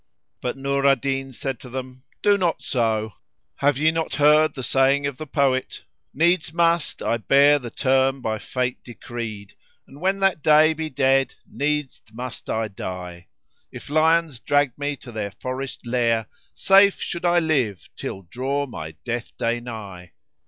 But Nur al Din said to them, "Do not so: have ye not heard the saying of the poet, 'Needs must I bear the term by Fate decreed, * And when that day be dead needs must I die: If lions dragged me to their forest lair, * Safe should I live till draw my death day nigh.'"